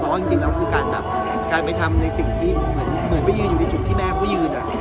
เพราะว่าจริงแล้วก็คือการไปทำในสิ่งที่เหมือนไม่ยืนอยู่ในจุกที่แม่ก็ไม่ยืน